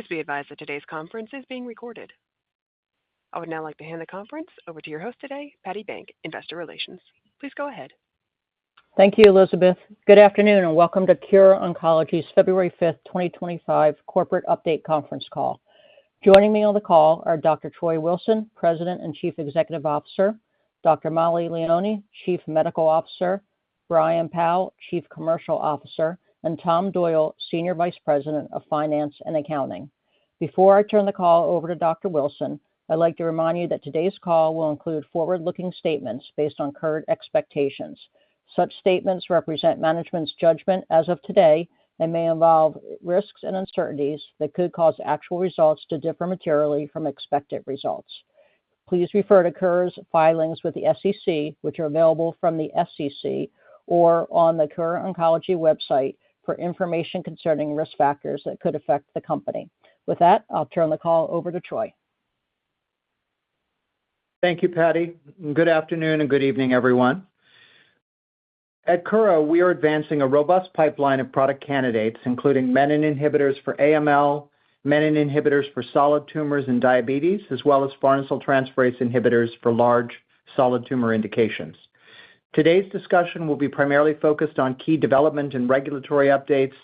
Please be advised that today's conference is being recorded. I would now like to hand the conference over to your host today, Patti Bank, Investor Relations. Please go ahead. Thank you, Elizabeth. Good afternoon and welcome to Kura Oncology's February 5th, 2025, Corporate Update Conference Call. Joining me on the call are Dr. Troy Wilson, President and Chief Executive Officer, Dr. Mollie Leoni, Chief Medical Officer, Brian Powl, Chief Commercial Officer, and Tom Doyle, Senior Vice President of Finance and Accounting. Before I turn the call over to Dr. Wilson, I'd like to remind you that today's call will include forward-looking statements based on current expectations. Such statements represent management's judgment as of today and may involve risks and uncertainties that could cause actual results to differ materially from expected results. Please refer to Kura's filings with the SEC, which are available from the SEC or on the Kura Oncology website for information concerning risk factors that could affect the company. With that, I'll turn the call over to Troy. Thank you, Patti. Good afternoon and good evening, everyone. At Kura, we are advancing a robust pipeline of product candidates, including menin inhibitors for AML, menin inhibitors for solid tumors and diabetes, as well as farnesyltransferase inhibitors for large solid tumor indications. Today's discussion will be primarily focused on key development and regulatory updates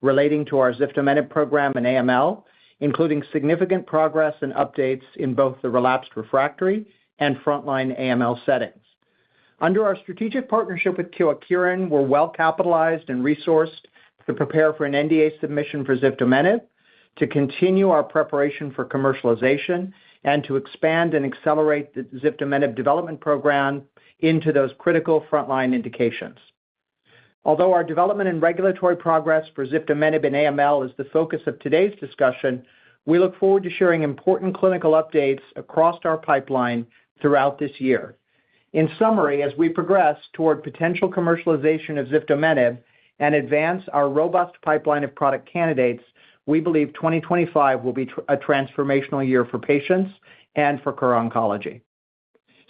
relating to our ziftomenib program and AML, including significant progress and updates in both the relapsed/refractory and frontline AML settings. Under our strategic partnership with Kyowa Kirin, we're well capitalized and resourced to prepare for an NDA submission for ziftomenib, to continue our preparation for commercialization, and to expand and accelerate the ziftomenib development program into those critical frontline indications. Although our development and regulatory progress for ziftomenib and AML is the focus of today's discussion, we look forward to sharing important clinical updates across our pipeline throughout this year. In summary, as we progress toward potential commercialization of ziftomenib and advance our robust pipeline of product candidates, we believe 2025 will be a transformational year for patients and for Kura Oncology.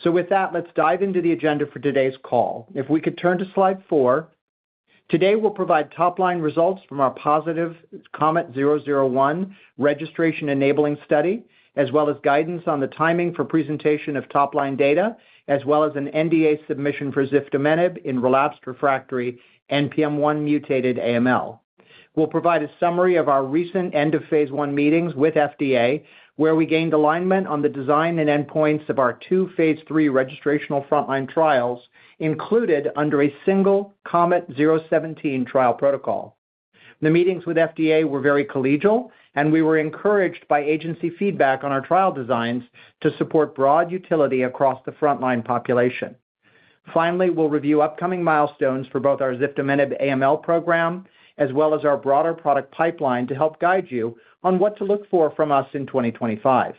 So with that, let's dive into the agenda for today's call. If we could turn to slide four. Today, we'll provide top-line results from our positive KOMET-001 registration-enabling study, as well as guidance on the timing for presentation of top-line data, as well as an NDA submission for ziftomenib in relapsed/refractory NPM1-mutant AML. We'll provide a summary of our recent end-of-phase I meetings with FDA, where we gained alignment on the design and endpoints of our two phase III registrational frontline trials included under a single KOMET-017 trial protocol. The meetings with FDA were very collegial, and we were encouraged by agency feedback on our trial designs to support broad utility across the frontline population. Finally, we'll review upcoming milestones for both our ziftomenib AML program, as well as our broader product pipeline to help guide you on what to look for from us in 2025.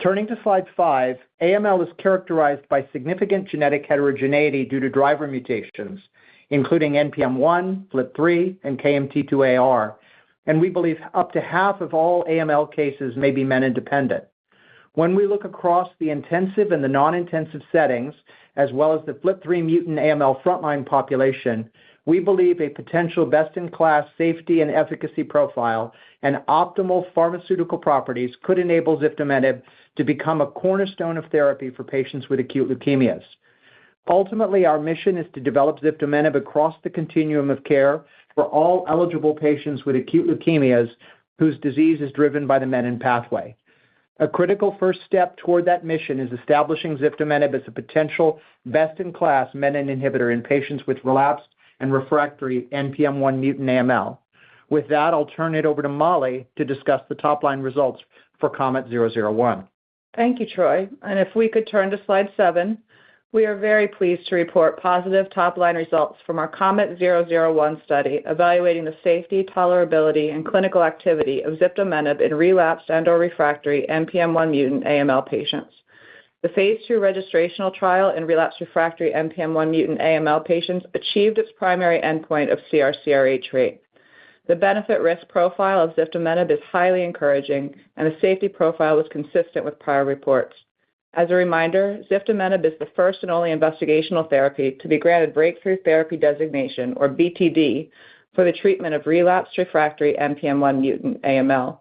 Turning to slide five, AML is characterized by significant genetic heterogeneity due to driver mutations, including NPM1, FLT3, and KMT2A-r, and we believe up to half of all AML cases may be menin dependent. When we look across the intensive and the non-intensive settings, as well as the FLT3 mutant AML frontline population, we believe a potential best-in-class safety and efficacy profile and optimal pharmaceutical properties could enable ziftomenib to become a cornerstone of therapy for patients with acute leukemias. Ultimately, our mission is to develop ziftomenib across the continuum of care for all eligible patients with acute leukemias whose disease is driven by the menin pathway. A critical first step toward that mission is establishing ziftomenib as a potential best-in-class menin inhibitor in patients with relapsed and refractory NPM1-mutant AML. With that, I'll turn it over to Mollie to discuss the top-line results for KOMET-001. Thank you, Troy. And if we could turn to slide 7, we are very pleased to report positive top-line results from our KOMET-001 study evaluating the safety, tolerability, and clinical activity of ziftomenib in relapsed and/or refractory NPM1-mutant AML patients. The phase II registrational trial in relapsed/refractory NPM1-mutant AML patients achieved its primary endpoint of CR/CRh rate. The benefit-risk profile of ziftomenib is highly encouraging, and the safety profile was consistent with prior reports. As a reminder, ziftomenib is the first and only investigational therapy to be granted Breakthrough Therapy Designation, or BTD, for the treatment of relapsed/refractory NPM1-mutant AML.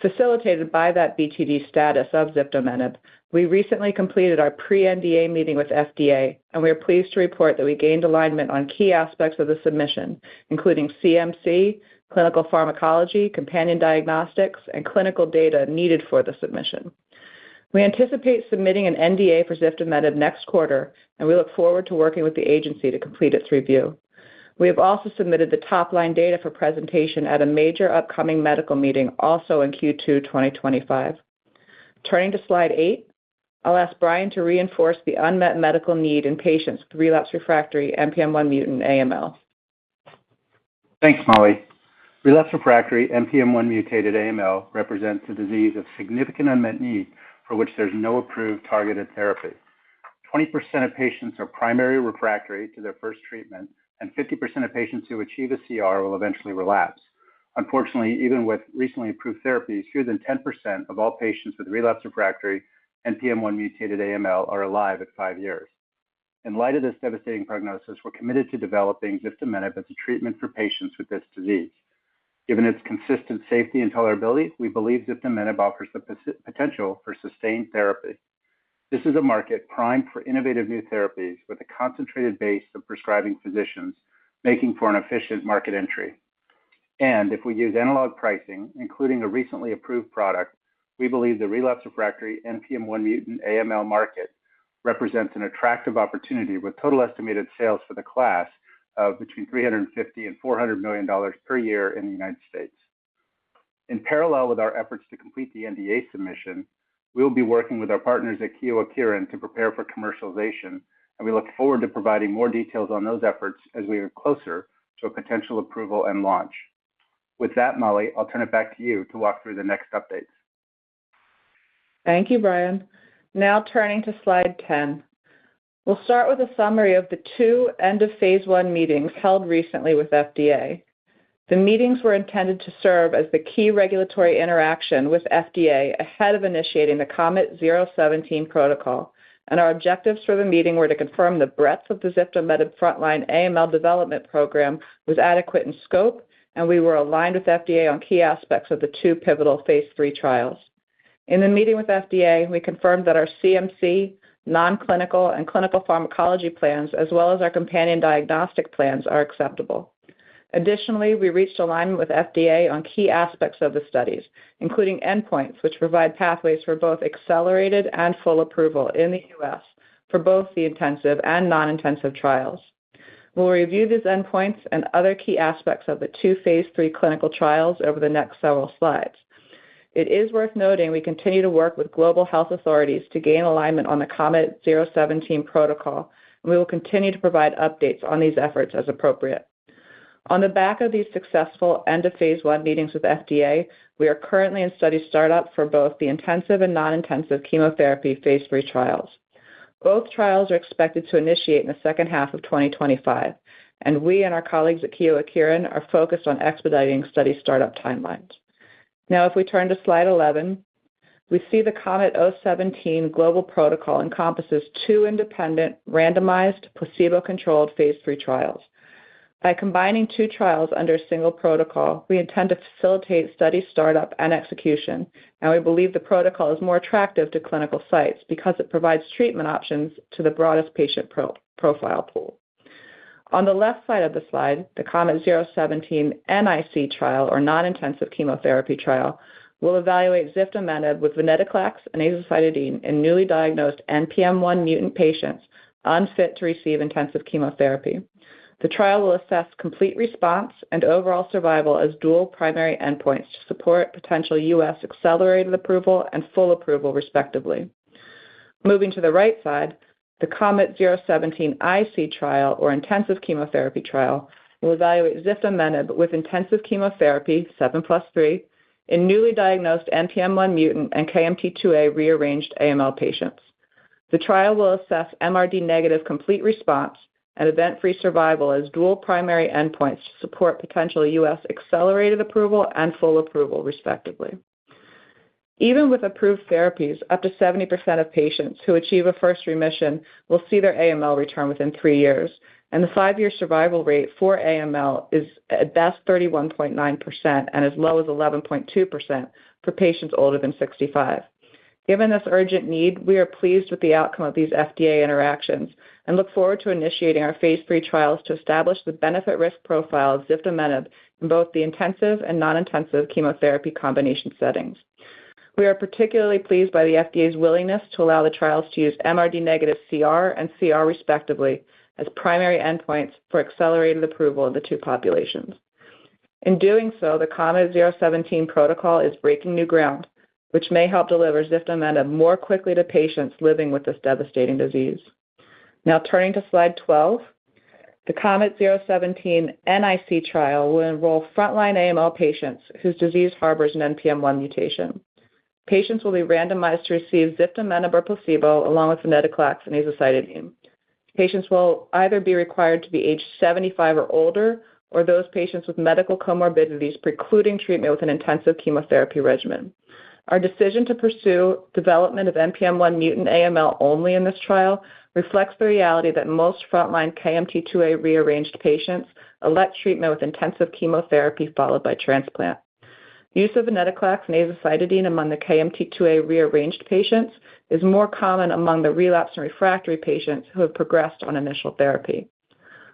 Facilitated by that BTD status of ziftomenib, we recently completed our pre-NDA meeting with FDA, and we are pleased to report that we gained alignment on key aspects of the submission, including CMC, clinical pharmacology, companion diagnostics, and clinical data needed for the submission. We anticipate submitting an NDA for ziftomenib next quarter, and we look forward to working with the agency to complete its review. We have also submitted the top-line data for presentation at a major upcoming medical meeting, also in Q2 2025. Turning to slide eight, I'll ask Brian to reinforce the unmet medical need in patients with relapsed/refractory NPM1 mutant AML. Thanks, Mollie. Relapsed/refractory NPM1 mutated AML represents a disease of significant unmet need for which there's no approved targeted therapy. 20% of patients are primary refractory to their first treatment, and 50% of patients who achieve a CR will eventually relapse. Unfortunately, even with recently approved therapies, fewer than 10% of all patients with relapsed/refractory NPM1 mutated AML are alive at five years. In light of this devastating prognosis, we're committed to developing ziftomenib as a treatment for patients with this disease. Given its consistent safety and tolerability, we believe ziftomenib offers the potential for sustained therapy. This is a market primed for innovative new therapies with a concentrated base of prescribing physicians, making for an efficient market entry. If we use analog pricing, including a recently approved product, we believe the relapsed/refractory NPM1 mutant AML market represents an attractive opportunity with total estimated sales for the class of between $350 and $400 million per year in the United States. In parallel with our efforts to complete the NDA submission, we'll be working with our partners at Kyowa Kirin to prepare for commercialization, and we look forward to providing more details on those efforts as we get closer to a potential approval and launch. With that, Mollie, I'll turn it back to you to walk through the next updates. Thank you, Brian. Now turning to slide 10, we'll start with a summary of the two end-of-phase I meetings held recently with FDA. The meetings were intended to serve as the key regulatory interaction with FDA ahead of initiating the KOMET-017 protocol, and our objectives for the meeting were to confirm the breadth of the ziftomenib frontline AML development program was adequate in scope, and we were aligned with FDA on key aspects of the two pivotal phase III trials. In the meeting with FDA, we confirmed that our CMC, non-clinical, and clinical pharmacology plans, as well as our companion diagnostic plans, are acceptable. Additionally, we reached alignment with FDA on key aspects of the studies, including endpoints which provide pathways for both accelerated and full approval in the U.S. for both the intensive and non-intensive trials. We'll review these endpoints and other key aspects of the two phase III clinical trials over the next several slides. It is worth noting we continue to work with global health authorities to gain alignment on the KOMET-017 protocol, and we will continue to provide updates on these efforts as appropriate. On the back of these successful end-of-phase I meetings with FDA, we are currently in study startup for both the intensive and non-intensive chemotherapy phase III trials. Both trials are expected to initiate in the second half of 2025, and we and our colleagues at Kyowa Kirin are focused on expediting study startup timelines. Now, if we turn to slide 11, we see the KOMET-017 global protocol encompasses two independent, randomized, placebo-controlled phase III trials. By combining two trials under a single protocol, we intend to facilitate study startup and execution, and we believe the protocol is more attractive to clinical sites because it provides treatment options to the broadest patient profile pool. On the left side of the slide, the KOMET-017 NIC trial, or non-intensive chemotherapy trial, will evaluate ziftomenib with venetoclax and azacitidine in newly diagnosed NPM1-mutant patients unfit to receive intensive chemotherapy. The trial will assess complete response and overall survival as dual primary endpoints to support potential U.S. accelerated approval and full approval, respectively. Moving to the right side, the KOMET-017 IC trial, or intensive chemotherapy trial, will evaluate ziftomenib with intensive chemotherapy 7+3 in newly diagnosed NPM1-mutant and KMT2A-rearranged AML patients. The trial will assess MRD-negative complete response and event-free survival as dual primary endpoints to support potential U.S. accelerated approval and full approval, respectively. Even with approved therapies, up to 70% of patients who achieve a first remission will see their AML return within three years, and the five-year survival rate for AML is at best 31.9% and as low as 11.2% for patients older than 65. Given this urgent need, we are pleased with the outcome of these FDA interactions and look forward to initiating our phase III trials to establish the benefit-risk profile of ziftomenib in both the intensive and non-intensive chemotherapy combination settings. We are particularly pleased by the FDA's willingness to allow the trials to use MRD negative CR and CR, respectively, as primary endpoints for accelerated approval in the two populations. In doing so, the KOMET-017 protocol is breaking new ground, which may help deliver ziftomenib more quickly to patients living with this devastating disease. Now, turning to slide 12, the KOMET-017 NIC trial will enroll frontline AML patients whose disease harbors an NPM1 mutation. Patients will be randomized to receive ziftomenib or placebo along with venetoclax and azacitidine. Patients will either be required to be age 75 or older, or those patients with medical comorbidities precluding treatment with an intensive chemotherapy regimen. Our decision to pursue development of NPM1-mutant AML only in this trial reflects the reality that most frontline KMT2A-rearranged patients elect treatment with intensive chemotherapy followed by transplant. Use of venetoclax and azacitidine among the KMT2A-rearranged patients is more common among the relapsed and refractory patients who have progressed on initial therapy.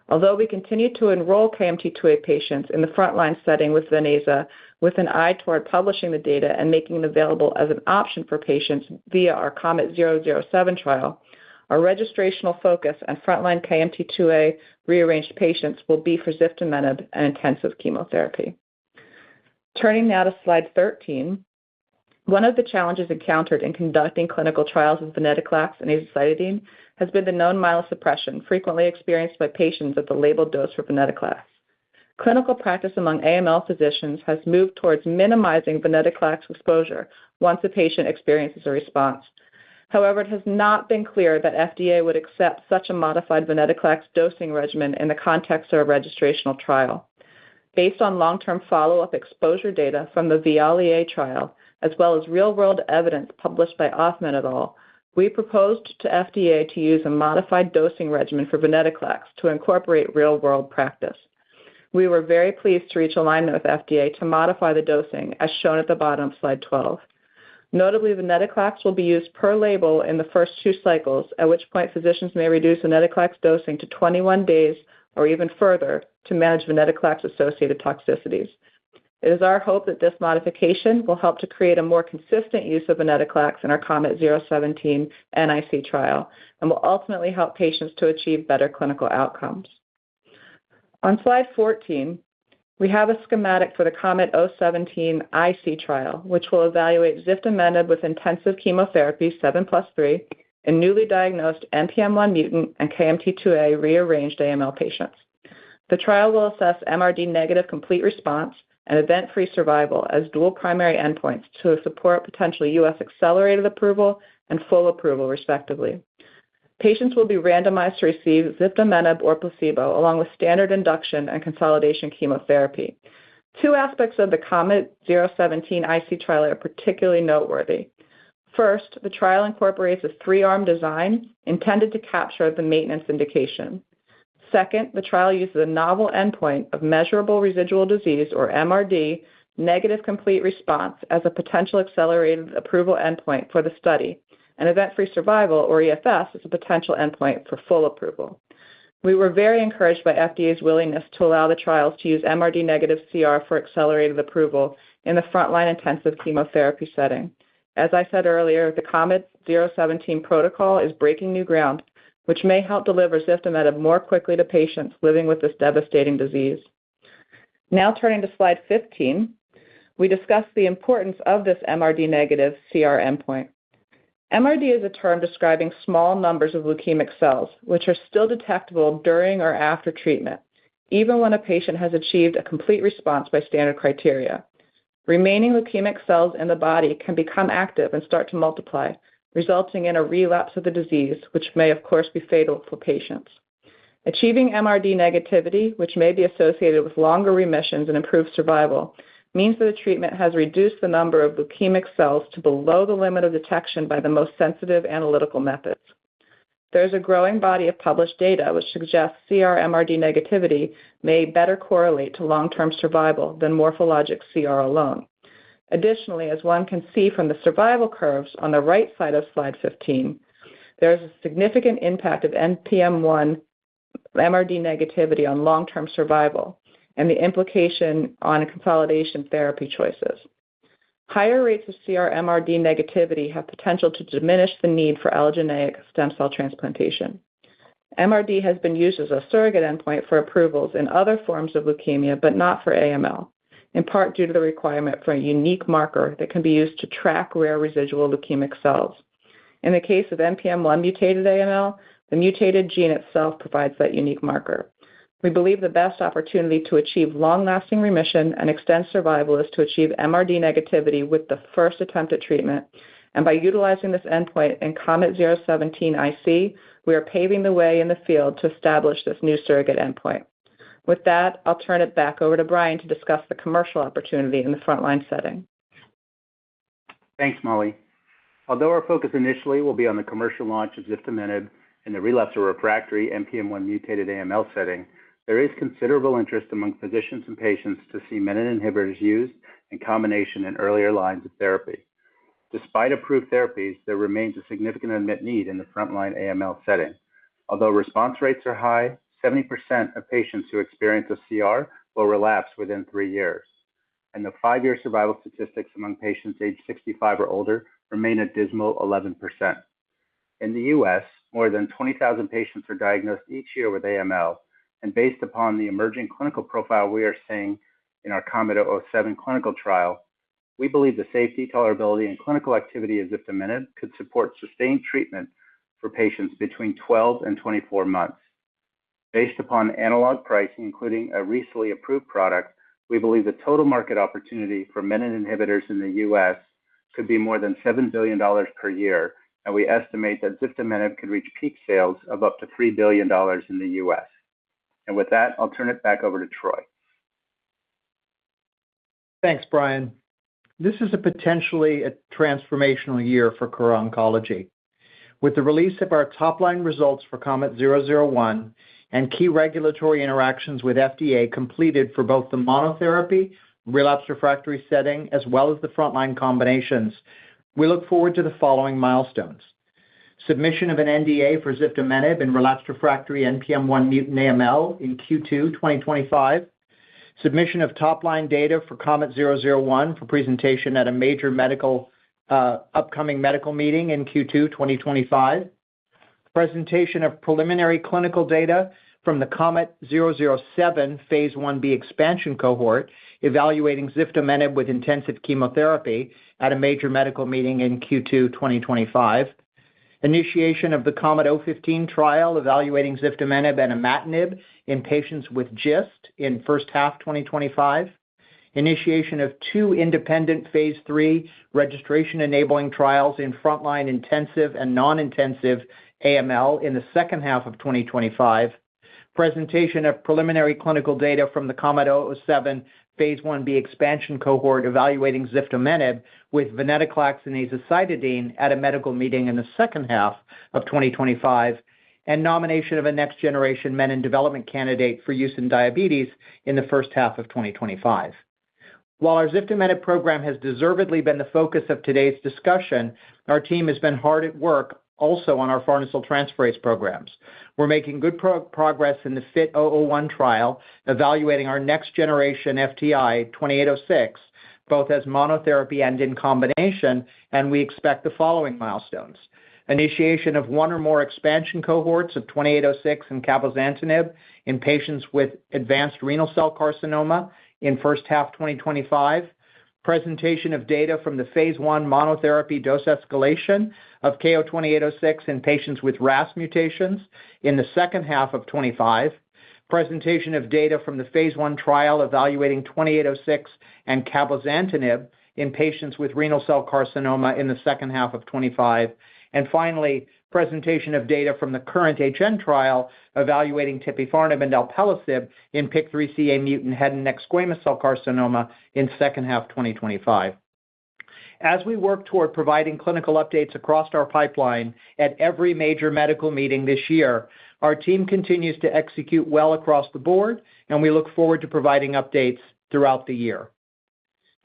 Although we continue to enroll KMT2A patients in the frontline setting with venetoclax with an eye toward publishing the data and making it available as an option for patients via our KOMET-007 trial, our registrational focus and frontline KMT2A-rearranged patients will be for ziftomenib and intensive chemotherapy. Turning now to slide 13, one of the challenges encountered in conducting clinical trials with venetoclax and azacitidine has been the known myelosuppression frequently experienced by patients at the labeled dose for venetoclax. Clinical practice among AML physicians has moved towards minimizing venetoclax exposure once a patient experiences a response. However, it has not been clear that FDA would accept such a modified venetoclax dosing regimen in the context of a registrational trial. Based on long-term follow-up exposure data from the VIALE-A trial, as well as real-world evidence published by Hoffman et al., we proposed to FDA to use a modified dosing regimen for venetoclax to incorporate real-world practice. We were very pleased to reach alignment with FDA to modify the dosing, as shown at the bottom of slide 12. Notably, venetoclax will be used per label in the first two cycles, at which point physicians may reduce venetoclax dosing to 21 days or even further to manage venetoclax-associated toxicities. It is our hope that this modification will help to create a more consistent use of venetoclax in our KOMET-017 NIC trial and will ultimately help patients to achieve better clinical outcomes. On Slide 14, we have a schematic for the KOMET-017 IC trial, which will evaluate ziftomenib with intensive chemotherapy 7+3 in newly diagnosed NPM1-mutant and KMT2A-rearranged AML patients. The trial will assess MRD-negative complete response and event-free survival as dual primary endpoints to support potential U.S. accelerated approval and full approval, respectively. Patients will be randomized to receive ziftomenib or placebo along with standard induction and consolidation chemotherapy. Two aspects of the KOMET-017 IC trial are particularly noteworthy. First, the trial incorporates a three-arm design intended to capture the maintenance indication. Second, the trial uses a novel endpoint of measurable residual disease, or MRD-negative complete response, as a potential accelerated approval endpoint for the study, and event-free survival, or EFS, as a potential endpoint for full approval. We were very encouraged by FDA's willingness to allow the trials to use MRD negative CR for accelerated approval in the frontline intensive chemotherapy setting. As I said earlier, the KOMET-017 protocol is breaking new ground, which may help deliver ziftomenib more quickly to patients living with this devastating disease. Now turning to slide 15, we discuss the importance of this MRD negative CR endpoint. MRD is a term describing small numbers of leukemic cells, which are still detectable during or after treatment, even when a patient has achieved a complete response by standard criteria. Remaining leukemic cells in the body can become active and start to multiply, resulting in a relapse of the disease, which may, of course, be fatal for patients. Achieving MRD negativity, which may be associated with longer remissions and improved survival, means that the treatment has reduced the number of leukemic cells to below the limit of detection by the most sensitive analytical methods. There is a growing body of published data which suggests CR MRD negativity may better correlate to long-term survival than morphologic CR alone. Additionally, as one can see from the survival curves on the right side of slide 15, there is a significant impact of NPM1 MRD negativity on long-term survival and the implication on consolidation therapy choices. Higher rates of CR MRD negativity have potential to diminish the need for allogeneic stem cell transplantation. MRD has been used as a surrogate endpoint for approvals in other forms of leukemia, but not for AML, in part due to the requirement for a unique marker that can be used to track rare residual leukemic cells. In the case of NPM1 mutated AML, the mutated gene itself provides that unique marker. We believe the best opportunity to achieve long-lasting remission and extend survival is to achieve MRD negativity with the first attempt at treatment, and by utilizing this endpoint in KOMET-017 IC, we are paving the way in the field to establish this new surrogate endpoint. With that, I'll turn it back over to Brian to discuss the commercial opportunity in the frontline setting. Thanks, Mollie. Although our focus initially will be on the commercial launch of ziftomenib in the relapsed or refractory NPM1 mutated AML setting, there is considerable interest among physicians and patients to see menin inhibitors used in combination in earlier lines of therapy. Despite approved therapies, there remains a significant unmet need in the frontline AML setting. Although response rates are high, 70% of patients who experience a CR will relapse within three years, and the five-year survival statistics among patients aged 65 or older remain a dismal 11%. In the U.S., more than 20,000 patients are diagnosed each year with AML, and based upon the emerging clinical profile we are seeing in our KOMET-007 clinical trial, we believe the safety, tolerability, and clinical activity of ziftomenib could support sustained treatment for patients between 12 and 24 months. Based upon analog pricing, including a recently approved product, we believe the total market opportunity for menin inhibitors in the U.S. could be more than $7 billion per year, and we estimate that ziftomenib could reach peak sales of up to $3 billion in the U.S. With that, I'll turn it back over to Troy. Thanks, Brian. This is potentially a transformational year for Kura Oncology. With the release of our top-line results for KOMET-001 and key regulatory interactions with FDA completed for both the monotherapy relapsed/refractory setting as well as the frontline combinations, we look forward to the following milestones: submission of an NDA for ziftomenib in relapsed/refractory NPM1-mutant AML in Q2 2025, submission of top-line data for KOMET-001 for presentation at a major upcoming medical meeting in Q2 2025, presentation of preliminary clinical data from the KOMET-007 phase I-B expansion cohort evaluating ziftomenib with intensive chemotherapy at a major medical meeting in Q2 2025, initiation of the KOMET-015 trial evaluating ziftomenib and imatinib in patients with GIST in first half 2025, initiation of two independent phase III registration-enabling trials in frontline intensive and non-intensive AML in the second half of 2025, presentation of preliminary clinical data from the KOMET-007 phase I-B expansion cohort evaluating ziftomenib with venetoclax and azacitidine at a medical meeting in the second half of 2025, and nomination of a next-generation menin inhibitor development candidate for use in diabetes in the first half of 2025. While our ziftomenib program has deservedly been the focus of today's discussion, our team has been hard at work also on our farnesyltransferase programs. We're making good progress in the FIT-001 trial evaluating our next-generation FTI KO-2806, both as monotherapy and in combination, and we expect the following milestones: initiation of one or more expansion cohorts of KO-2806 and cabozantinib in patients with advanced renal cell carcinoma in first half 2025, presentation of data from the phase I monotherapy dose escalation of KO-2806 in patients with RAS mutations in the second half of 2025, presentation of data from the phase I trial evaluating KO-2806 and cabozantinib in patients with renal cell carcinoma in the second half of 2025, and finally, presentation of data from the KURRENT-HN trial evaluating tipifarnib and alpelisib in PIK3CA-mutant head and neck squamous cell carcinoma in second half 2025. As we work toward providing clinical updates across our pipeline at every major medical meeting this year, our team continues to execute well across the board, and we look forward to providing updates throughout the year.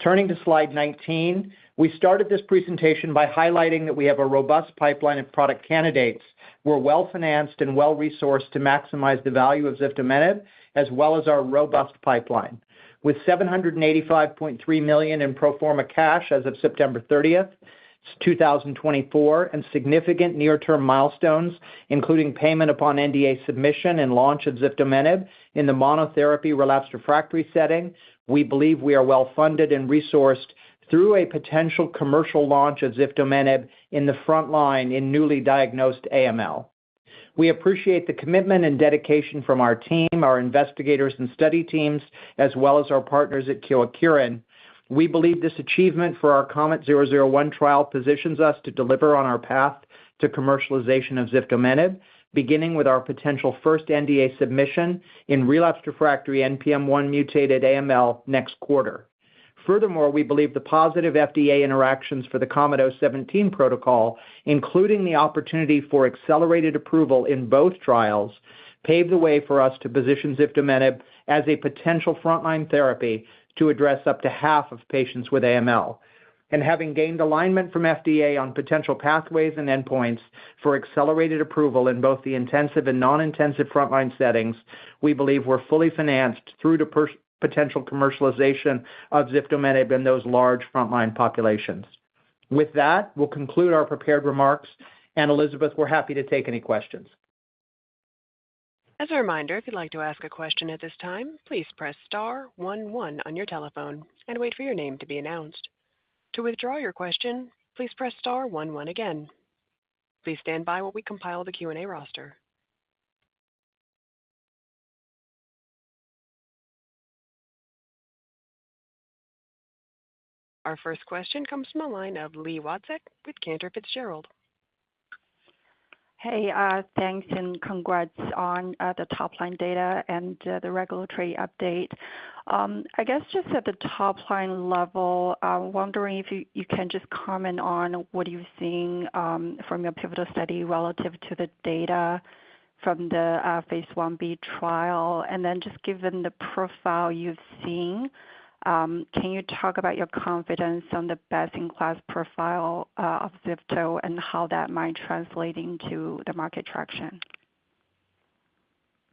Turning to slide 19, we started this presentation by highlighting that we have a robust pipeline of product candidates. We're well-financed and well-resourced to maximize the value of ziftomenib as well as our robust pipeline. With $785.3 million in pro forma cash as of September 30th, 2024, and significant near-term milestones, including payment upon NDA submission and launch of ziftomenib in the monotherapy relapsed/refractory setting, we believe we are well-funded and resourced through a potential commercial launch of ziftomenib in the frontline in newly diagnosed AML. We appreciate the commitment and dedication from our team, our investigators and study teams, as well as our partners at Kyowa Kirin. We believe this achievement for our KOMET-001 trial positions us to deliver on our path to commercialization of ziftomenib, beginning with our potential first NDA submission in relapsed/refractory NPM1-mutant AML next quarter. Furthermore, we believe the positive FDA interactions for the KOMET-017 protocol, including the opportunity for accelerated approval in both trials, paved the way for us to position ziftomenib as a potential frontline therapy to address up to half of patients with AML. Having gained alignment from FDA on potential pathways and endpoints for accelerated approval in both the intensive and non-intensive frontline settings, we believe we're fully financed through the potential commercialization of ziftomenib in those large frontline populations. With that, we'll conclude our prepared remarks, and Elizabeth, we're happy to take any questions. As a reminder, if you'd like to ask a question at this time, please press star one one on your telephone and wait for your name to be announced. To withdraw your question, please press star one one again. Please stand by while we compile the Q&A roster. Our first question comes from the line of Li Watsek with Cantor Fitzgerald. Hey, thanks and congrats on the top-line data and the regulatory update. I guess just at the top-line level, I'm wondering if you can just comment on what you've seen from your pivotal study relative to the data from the phase 1-B trial, and then just given the profile you've seen, can you talk about your confidence on the best-in-class profile of ziftomenib and how that might translate into the market traction?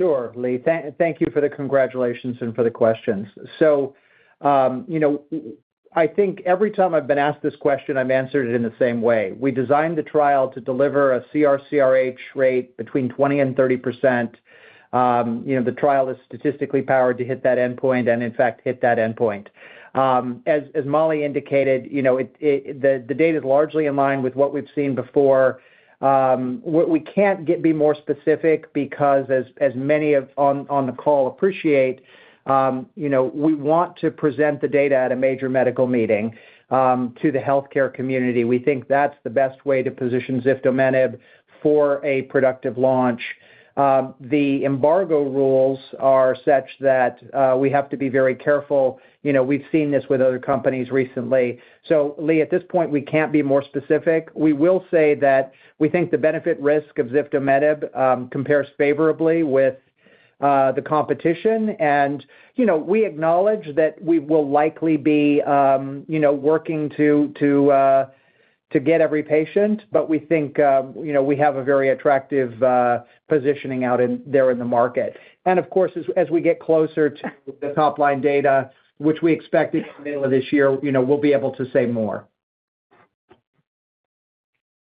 Sure, Li. Thank you for the congratulations and for the questions. So I think every time I've been asked this question, I've answered it in the same way. We designed the trial to deliver a CR/CRh rate between 20% and 30%. The trial is statistically powered to hit that endpoint and, in fact, hit that endpoint. As Mollie indicated, the data is largely in line with what we've seen before. We can't be more specific because, as many on the call appreciate, we want to present the data at a major medical meeting to the healthcare community. We think that's the best way to position ziftomenib for a productive launch. The embargo rules are such that we have to be very careful. We've seen this with other companies recently. So, Li, at this point, we can't be more specific. We will say that we think the benefit-risk of ziftomenib compares favorably with the competition, and we acknowledge that we will likely be working to get every patient, but we think we have a very attractive positioning out there in the market, and of course, as we get closer to the top-line data, which we expected by the middle of this year, we'll be able to say more.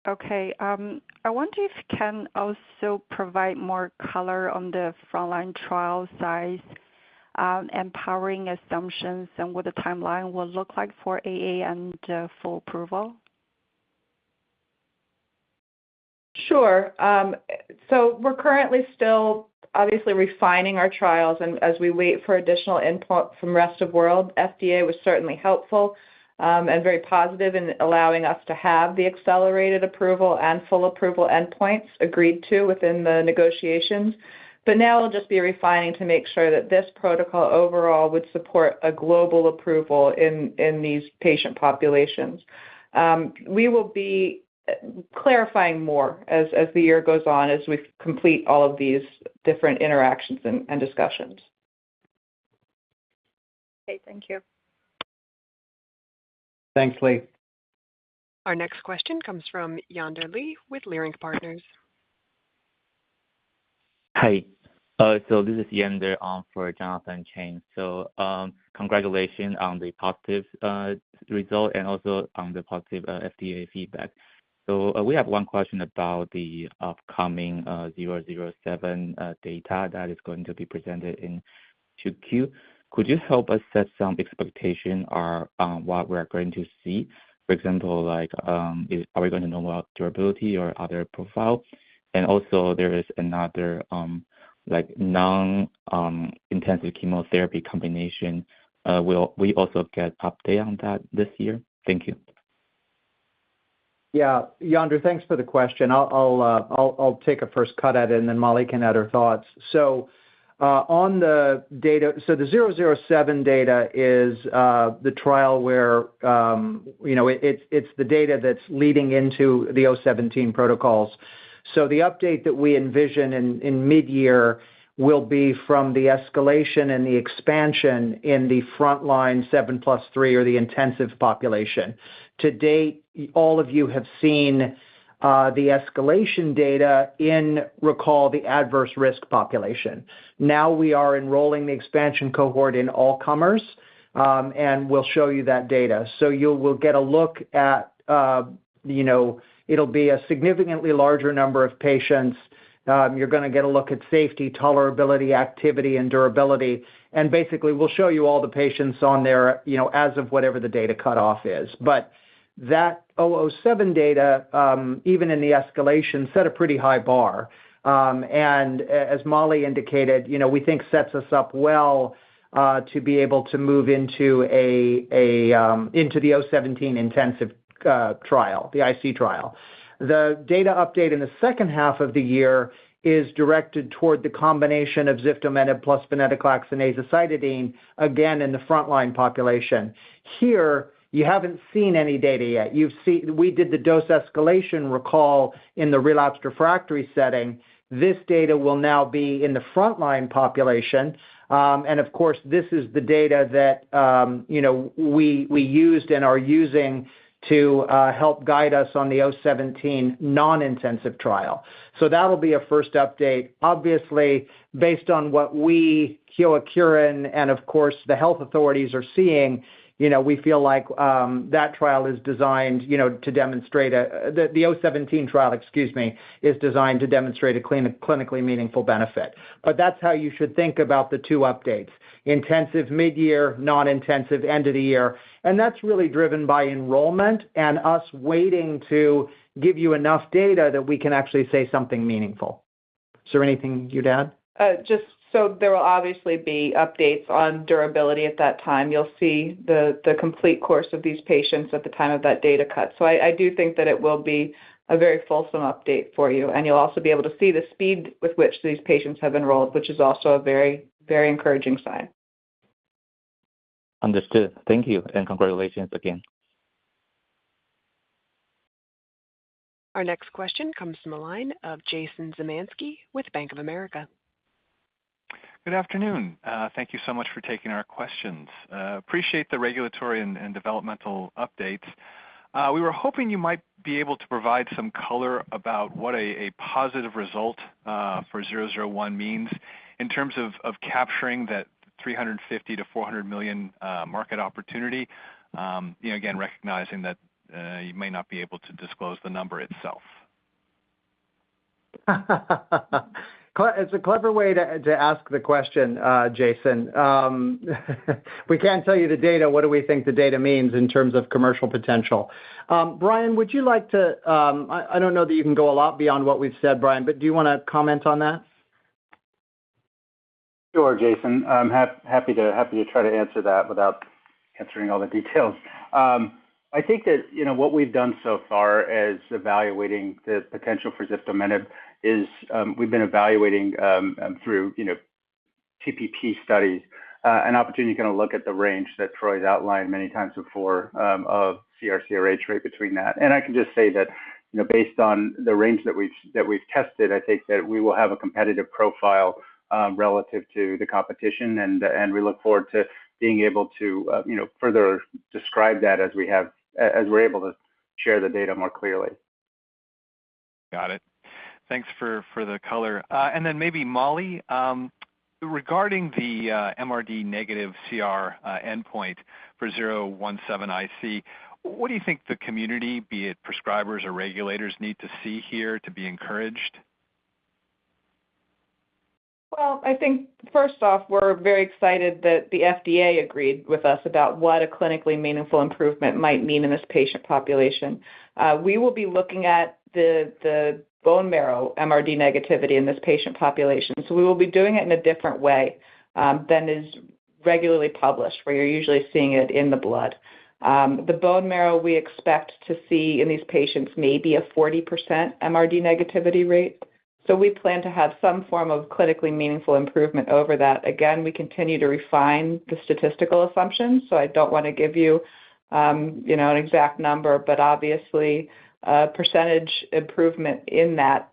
Okay. I wonder if you can also provide more color on the frontline trial size, enrollment assumptions, and what the timeline will look like for NDA and full approval. Sure. So we're currently still, obviously, refining our trials, and as we wait for additional input from the rest of the world, FDA was certainly helpful and very positive in allowing us to have the accelerated approval and full approval endpoints agreed to within the negotiations. But now we'll just be refining to make sure that this protocol overall would support a global approval in these patient populations. We will be clarifying more as the year goes on as we complete all of these different interactions and discussions. Okay. Thank you. Thanks, Li. Our next question comes from Yen-Der Li with Leerink Partners. Hi. So this is Yen-Der for Jonathan Chang. So congratulations on the positive result and also on the positive FDA feedback. So we have one question about the upcoming 007 data that is going to be presented in 2Q. Could you help us set some expectations on what we're going to see? For example, are we going to know about durability or other profile? And also, there is another non-intensive chemotherapy combination. Will we also get an update on that this year? Thank you. Yeah. Yen-Der, thanks for the question. I'll take a first cut at it, and then Mollie can add her thoughts. So on the data, so the 007 data is the trial where it's the data that's leading into the 017 protocols. So the update that we envision in mid-year will be from the escalation and the expansion in the frontline 7 plus 3 or the intensive population. To date, all of you have seen the escalation data in, recall, the adverse risk population. Now we are enrolling the expansion cohort in all comers, and we'll show you that data. So you will get a look at it'll be a significantly larger number of patients. You're going to get a look at safety, tolerability, activity, and durability. And basically, we'll show you all the patients on there as of whatever the data cutoff is. But that 007 data, even in the escalation, set a pretty high bar. And as Mollie indicated, we think sets us up well to be able to move into the 017 intensive trial, the IC trial. The data update in the second half of the year is directed toward the combination of ziftomenib plus venetoclax and azacitidine, again, in the frontline population. Here, you haven't seen any data yet. We did the dose escalation, recall, in the relapsed/refractory setting. This data will now be in the frontline population. And of course, this is the data that we used and are using to help guide us on the 017 non-intensive trial. So that'll be a first update. Obviously, based on what we, Kyowa Kirin, and of course, the health authorities are seeing, we feel like that trial is designed to demonstrate the 017 trial, excuse me, is designed to demonstrate a clinically meaningful benefit. But that's how you should think about the two updates: intensive mid-year, non-intensive end of the year. And that's really driven by enrollment and us waiting to give you enough data that we can actually say something meaningful. Is there anything you'd add? Just so there will obviously be updates on durability at that time. You'll see the complete course of these patients at the time of that data cut, so I do think that it will be a very fulsome update for you, and you'll also be able to see the speed with which these patients have enrolled, which is also a very, very encouraging sign. Understood. Thank you and congratulations again. Our next question comes from the line of Jason Zemansky with Bank of America. Good afternoon. Thank you so much for taking our questions. Appreciate the regulatory and developmental updates. We were hoping you might be able to provide some color about what a positive result for 001 means in terms of capturing that $350 million-$400 million market opportunity, again, recognizing that you may not be able to disclose the number itself. It's a clever way to ask the question, Jason. We can't tell you the data. What do we think the data means in terms of commercial potential? Brian, would you like to. I don't know that you can go a lot beyond what we've said, Brian, but do you want to comment on that? Sure, Jason. I'm happy to try to answer that without answering all the details. I think that what we've done so far in evaluating the potential for ziftomenib is we've been evaluating through TPP studies an opportunity to kind of look at the range that Troy's outlined many times before of CR/CRh rate between that, and I can just say that based on the range that we've tested, I think that we will have a competitive profile relative to the competition, and we look forward to being able to further describe that as we're able to share the data more clearly. Got it. Thanks for the color. And then maybe Mollie, regarding the MRD negative CR endpoint for 017 IC, what do you think the community, be it prescribers or regulators, need to see here to be encouraged? I think, first off, we're very excited that the FDA agreed with us about what a clinically meaningful improvement might mean in this patient population. We will be looking at the bone marrow MRD negativity in this patient population. So we will be doing it in a different way than is regularly published where you're usually seeing it in the blood. The bone marrow we expect to see in these patients may be a 40% MRD negativity rate. So we plan to have some form of clinically meaningful improvement over that. Again, we continue to refine the statistical assumptions. So I don't want to give you an exact number, but obviously, percentage improvement in that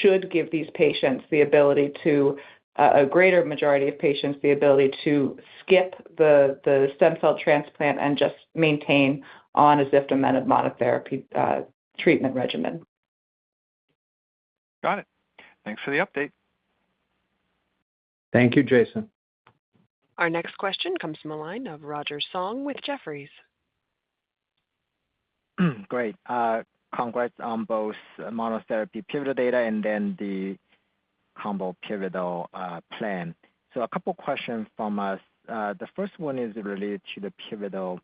should give these patients the ability to, a greater majority of patients, the ability to skip the stem cell transplant and just maintain on a ziftomenib monotherapy treatment regimen. Got it. Thanks for the update. Thank you, Jason. Our next question comes from the line of Roger Song with Jefferies. Great. Congrats on both monotherapy pivotal data and then the combo pivotal plan. So a couple of questions from us. The first one is related to the pivotal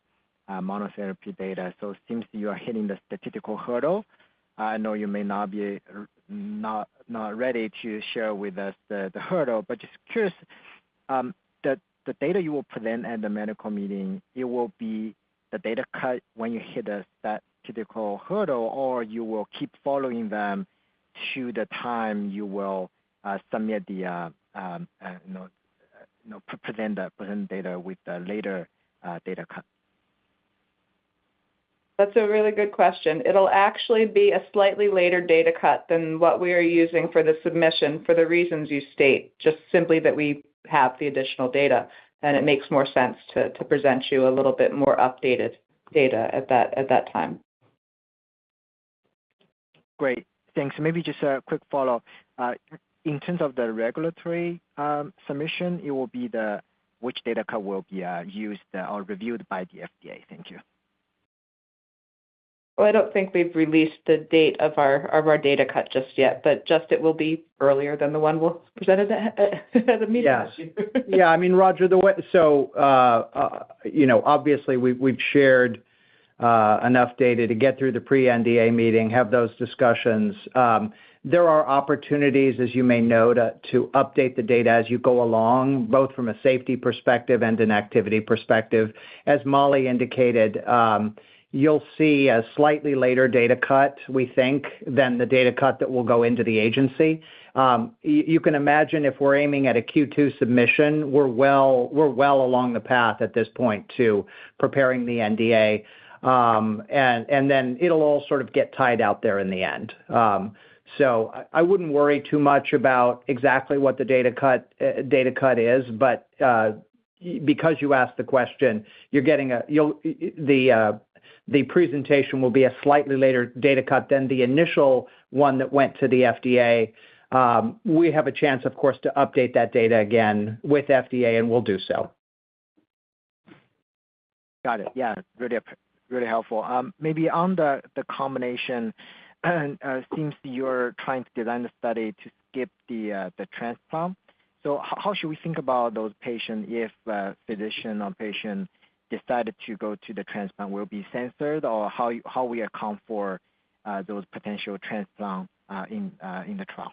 monotherapy data. So it seems you are hitting the statistical hurdle. I know you may not be ready to share with us the hurdle, but just curious, the data you will present at the medical meeting, it will be the data cut when you hit that statistical hurdle, or you will keep following them to the time you will submit the present data with the later data cut? That's a really good question. It'll actually be a slightly later data cut than what we are using for the submission for the reasons you state, just simply that we have the additional data, and it makes more sense to present you a little bit more updated data at that time. Great. Thanks. Maybe just a quick follow-up. In terms of the regulatory submission, it will be the—which data cut will be used or reviewed by the FDA? Thank you. I don't think we've released the date of our data cut just yet, but just it will be earlier than the one we'll present at the meeting. Yeah. Yeah. I mean, Roger, so obviously we've shared enough data to get through the pre-NDA meeting, have those discussions. There are opportunities, as you may know, to update the data as you go along, both from a safety perspective and an activity perspective. As Mollie indicated, you'll see a slightly later data cut, we think, than the data cut that will go into the agency. You can imagine if we're aiming at a Q2 submission, we're well along the path at this point to preparing the NDA. And then it'll all sort of get tied out there in the end. So I wouldn't worry too much about exactly what the data cut is, but because you asked the question, you're getting a presentation will be a slightly later data cut than the initial one that went to the FDA. We have a chance, of course, to update that data again with FDA, and we'll do so. Got it. Yeah. Really helpful. Maybe on the combination, it seems you're trying to design the study to skip the transplant. So how should we think about those patients if a physician or patient decided to go to the transplant? Will be censored, or how will we account for those potential transplants in the trial?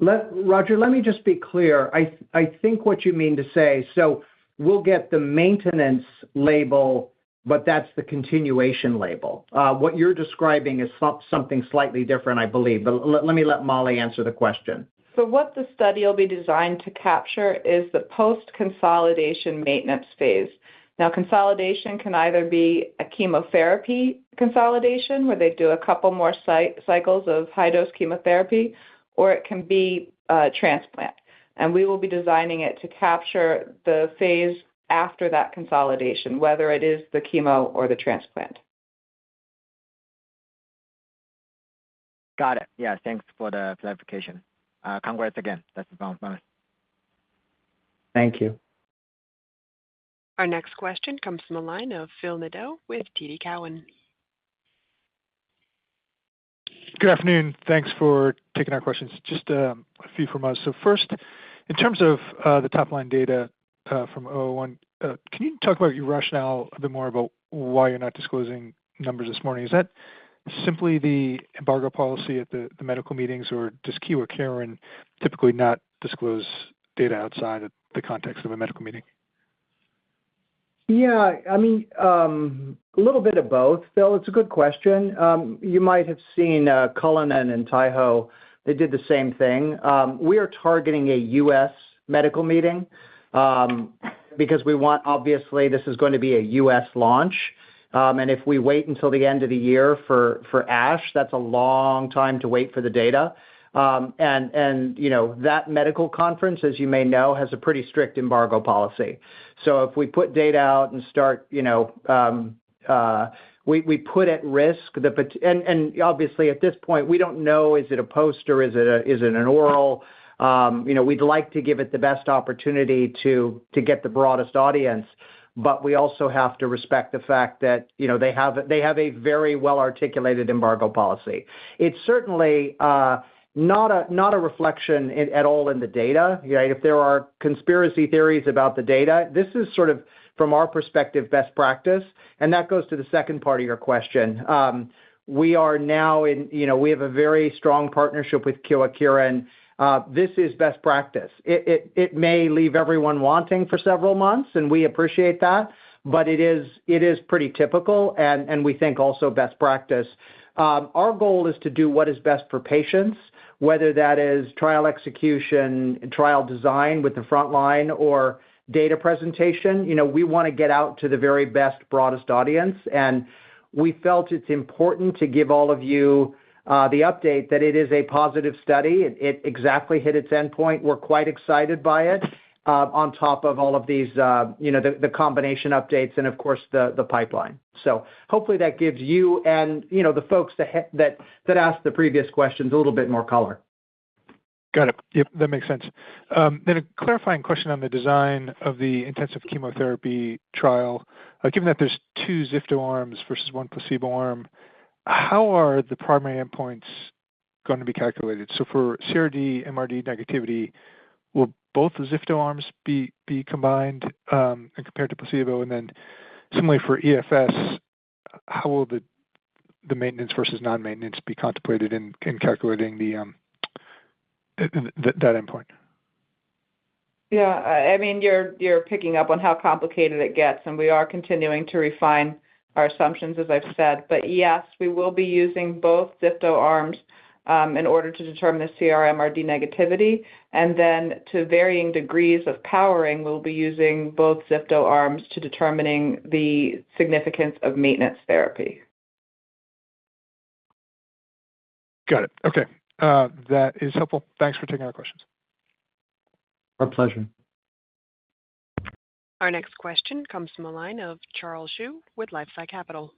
Roger, let me just be clear. I think what you mean to say, so we'll get the maintenance label, but that's the continuation label. What you're describing is something slightly different, I believe. But let me let Mollie answer the question. So what the study will be designed to capture is the post-consolidation maintenance phase. Now, consolidation can either be a chemotherapy consolidation where they do a couple more cycles of high-dose chemotherapy, or it can be transplant. And we will be designing it to capture the phase after that consolidation, whether it is the chemo or the transplant. Got it. Yeah. Thanks for the clarification. Congrats again. That's the final bonus. Thank you. Our next question comes from the line of Phil Nadeau with TD Cowen. Good afternoon. Thanks for taking our questions. Just a few from us. So first, in terms of the top-line data from 001, can you talk about your rationale a bit more about why you're not disclosing numbers this morning? Is that simply the embargo policy at the medical meetings, or does Kyowa Kirin typically not disclose data outside of the context of a medical meeting? Yeah. I mean, a little bit of both, Phil. It's a good question. You might have seen Cullinan and Taiho. They did the same thing. We are targeting a U.S. medical meeting because we want, obviously, this is going to be a U.S. launch. And if we wait until the end of the year for ASH, that's a long time to wait for the data. And that medical conference, as you may know, has a pretty strict embargo policy. So if we put data out and start, we put at risk the, and obviously, at this point, we don't know, is it a post or is it an oral? We'd like to give it the best opportunity to get the broadest audience, but we also have to respect the fact that they have a very well-articulated embargo policy. It's certainly not a reflection at all in the data. If there are conspiracy theories about the data, this is sort of, from our perspective, best practice. And that goes to the second part of your question. We are now in—we have a very strong partnership with Kyowa Kirin. This is best practice. It may leave everyone wanting for several months, and we appreciate that, but it is pretty typical, and we think also best practice. Our goal is to do what is best for patients, whether that is trial execution, trial design with the frontline, or data presentation. We want to get out to the very best, broadest audience. And we felt it's important to give all of you the update that it is a positive study. It exactly hit its endpoint. We're quite excited by it on top of all of these—the combination updates and, of course, the pipeline. So hopefully, that gives you and the folks that asked the previous questions a little bit more color. Got it. Yep. That makes sense. Then a clarifying question on the design of the intensive chemotherapy trial. Given that there's two zifto arms versus one placebo arm, how are the primary endpoints going to be calculated? So for CR, MRD negativity, will both the zifto arms be combined and compared to placebo? And then similarly for EFS, how will the maintenance versus non-maintenance be contemplated in calculating that endpoint? Yeah. I mean, you're picking up on how complicated it gets, and we are continuing to refine our assumptions, as I've said. But yes, we will be using both zifto arms in order to determine the CR/MRD negativity. And then to varying degrees of powering, we'll be using both zifto arms to determine the significance of maintenance therapy. Got it. Okay. That is helpful. Thanks for taking our questions. Our pleasure. Our next question comes from the line of Charles Zhu with LifeSci Capital.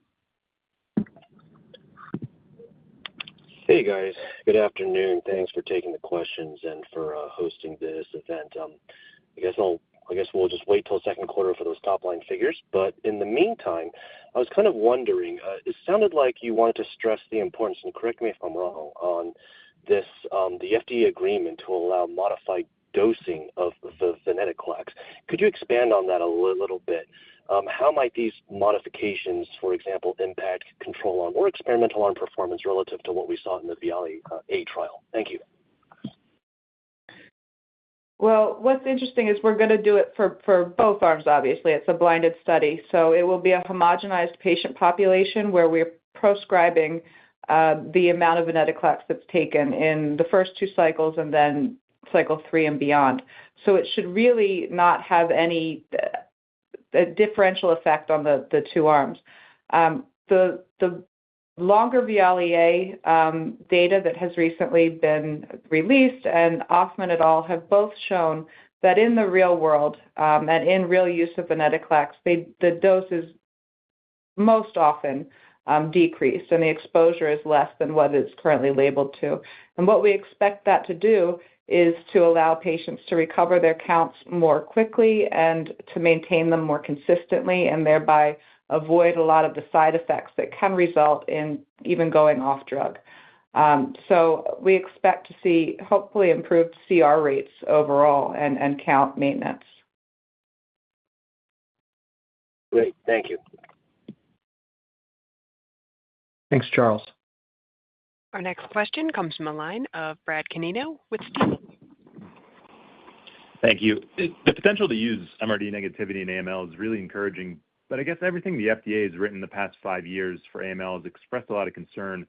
Hey, guys. Good afternoon. Thanks for taking the questions and for hosting this event. I guess we'll just wait till the second quarter for those top-line figures. But in the meantime, I was kind of wondering, it sounded like you wanted to stress the importance and, correct me if I'm wrong, on the FDA agreement to allow modified dosing of the venetoclax. Could you expand on that a little bit? How might these modifications, for example, impact control arm or experimental arm performance relative to what we saw in the VIALE-A trial? Thank you. What's interesting is we're going to do it for both arms, obviously. It's a blinded study. It will be a homogenized patient population where we're prescribing the amount of venetoclax that's taken in the first two cycles and then cycle three and beyond. It should really not have any differential effect on the two arms. The longer VIALE-A data that has recently been released and Hoffmann et al. have both shown that in the real world and in real use of venetoclax, the dose is most often decreased, and the exposure is less than what it's currently labeled to. What we expect that to do is to allow patients to recover their counts more quickly and to maintain them more consistently and thereby avoid a lot of the side effects that can result in even going off drug. So we expect to see, hopefully, improved CR rates overall and count maintenance. Great. Thank you. Thanks, Charles. Our next question comes from the line of Brad Canino with Stifel. Thank you. The potential to use MRD negativity in AML is really encouraging. But I guess everything the FDA has written in the past five years for AML has expressed a lot of concern,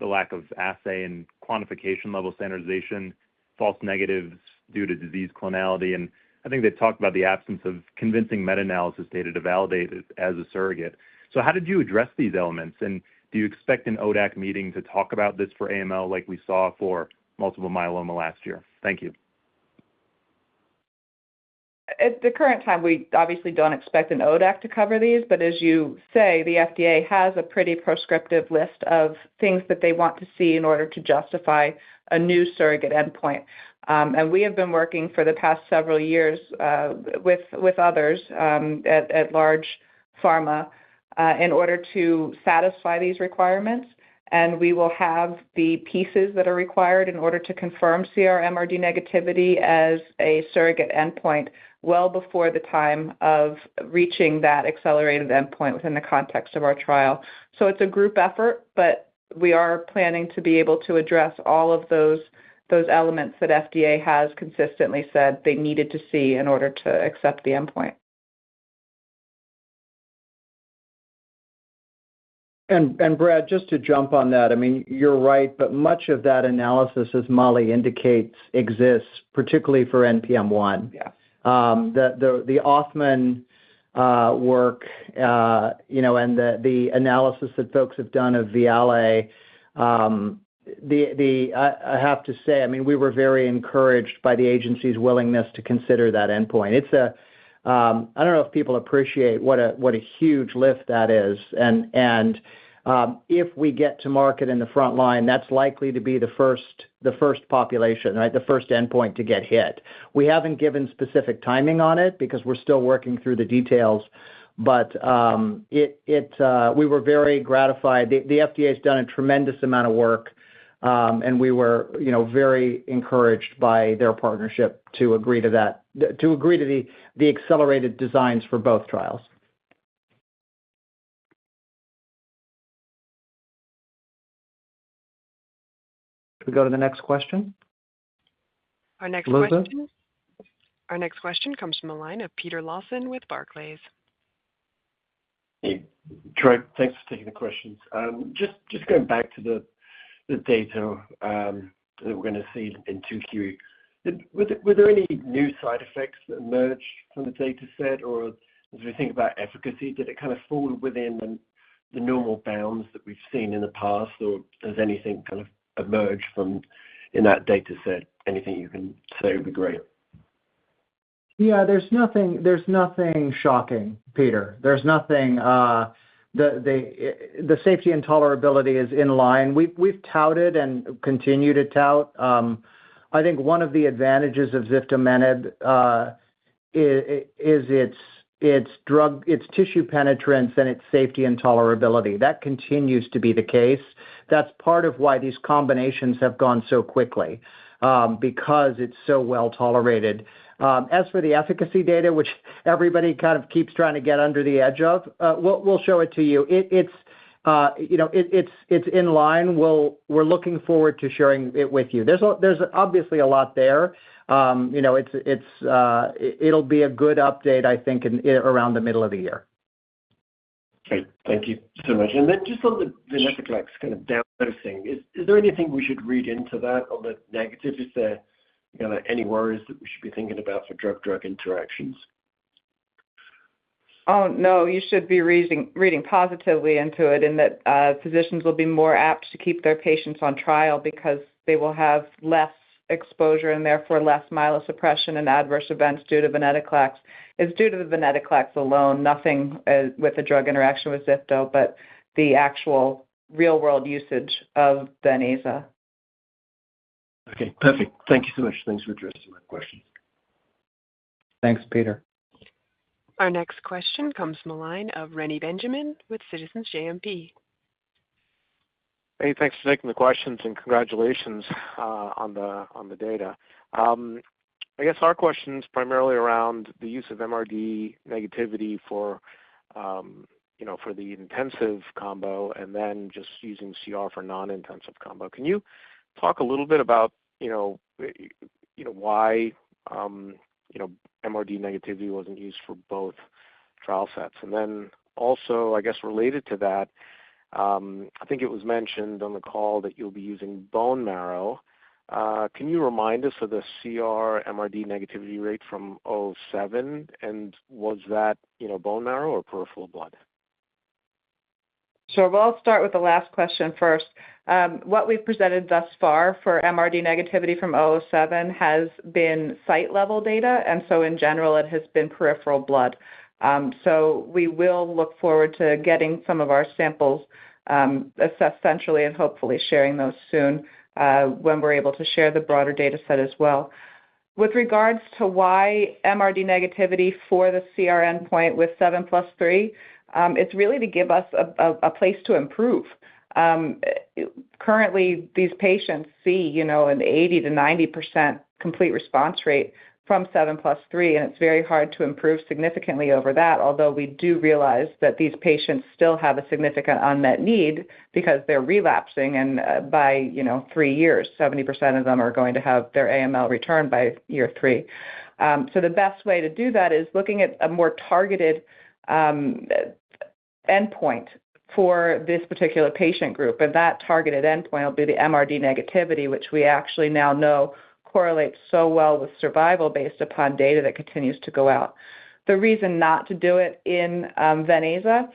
the lack of assay and quantification-level standardization, false negatives due to disease clonality. And I think they've talked about the absence of convincing meta-analysis data to validate it as a surrogate. So how did you address these elements? And do you expect an ODAC meeting to talk about this for AML like we saw for multiple myeloma last year? Thank you. At the current time, we obviously don't expect an ODAC to cover these, but as you say, the FDA has a pretty prescriptive list of things that they want to see in order to justify a new surrogate endpoint. And we have been working for the past several years with others at large pharma in order to satisfy these requirements. And we will have the pieces that are required in order to confirm CR/MRD negativity as a surrogate endpoint well before the time of reaching that accelerated endpoint within the context of our trial. So it's a group effort, but we are planning to be able to address all of those elements that FDA has consistently said they needed to see in order to accept the endpoint. Brad, just to jump on that, I mean, you're right, but much of that analysis, as Mollie indicates, exists, particularly for NPM1. The Hoffman work and the analysis that folks have done of VIALE-A, I have to say, I mean, we were very encouraged by the agency's willingness to consider that endpoint. I don't know if people appreciate what a huge lift that is. If we get to market in the frontline, that's likely to be the first population, right, the first endpoint to get hit. We haven't given specific timing on it because we're still working through the details, but we were very gratified. The FDA has done a tremendous amount of work, and we were very encouraged by their partnership to agree to that, to agree to the accelerated designs for both trials. Can we go to the next question? Our next question comes from the line of Peter Lawson with Barclays. Hey, Troy. Thanks for taking the questions. Just going back to the data that we're going to see in 2Q, were there any new side effects that emerged from the data set? Or as we think about efficacy, did it kind of fall within the normal bounds that we've seen in the past? Or has anything kind of emerged from in that data set? Anything you can say would be great. Yeah. There's nothing shocking, Peter. There's nothing. The safety and tolerability is in line. We've touted and continue to tout. I think one of the advantages of ziftomenib is its tissue penetrance and its safety and tolerability. That continues to be the case. That's part of why these combinations have gone so quickly because it's so well tolerated. As for the efficacy data, which everybody kind of keeps trying to get under the edge of, we'll show it to you. It's in line. We're looking forward to sharing it with you. There's obviously a lot there. It'll be a good update, I think, around the middle of the year. Okay. Thank you so much. And then just on the venetoclax kind of low-down thing, is there anything we should read into that on the negative? Is there any worries that we should be thinking about for drug-drug interactions? Oh, no. You should be reading positively into it in that physicians will be more apt to keep their patients on trial because they will have less exposure and therefore less myelosuppression and adverse events due to venetoclax. It's due to the venetoclax alone, nothing with the drug interaction with ziftomenib, but the actual real-world usage of azacitidine. Okay. Perfect. Thank you so much. Thanks for addressing my questions. Thanks, Peter. Our next question comes from the line of Reni Benjamin with Citizens JMP. Hey, thanks for taking the questions and congratulations on the data. I guess our question is primarily around the use of MRD negativity for the intensive combo and then just using CR for non-intensive combo. Can you talk a little bit about why MRD negativity wasn't used for both trial sets? And then also, I guess related to that, I think it was mentioned on the call that you'll be using bone marrow. Can you remind us of the CR MRD negativity rate from 007? And was that bone marrow or peripheral blood? I'll start with the last question first. What we've presented thus far for MRD negativity from 007 has been site-level data. And so in general, it has been peripheral blood. So we will look forward to getting some of our samples assessed centrally and hopefully sharing those soon when we're able to share the broader data set as well. With regards to why MRD negativity for the CR endpoint with 7+3, it's really to give us a place to improve. Currently, these patients see an 80%-90% complete response rate from 7+3, and it's very hard to improve significantly over that, although we do realize that these patients still have a significant unmet need because they're relapsing. And by three years, 70% of them are going to have their AML return by year three. So the best way to do that is looking at a more targeted endpoint for this particular patient group. And that targeted endpoint will be the MRD negativity, which we actually now know correlates so well with survival based upon data that continues to go out. The reason not to do it in Ven/Aza,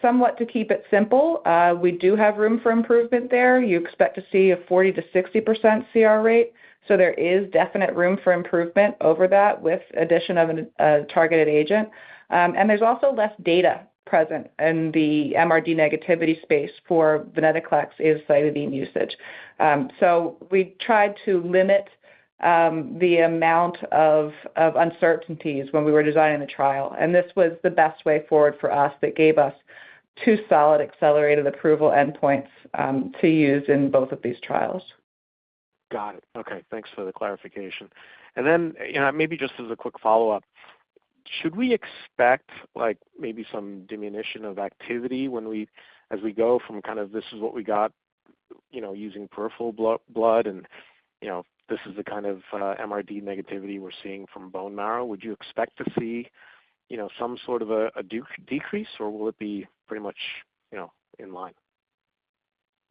somewhat to keep it simple, we do have room for improvement there. You expect to see a 40%-60% CR rate. So there is definite room for improvement over that with the addition of a targeted agent. And there's also less data present in the MRD negativity space for venetoclax plus azacitidine usage. So we tried to limit the amount of uncertainties when we were designing the trial. And this was the best way forward for us that gave us two solid accelerated approval endpoints to use in both of these trials. Got it. Okay. Thanks for the clarification. And then maybe just as a quick follow-up, should we expect maybe some diminution of activity as we go from kind of this is what we got using peripheral blood and this is the kind of MRD negativity we're seeing from bone marrow? Would you expect to see some sort of a decrease, or will it be pretty much in line?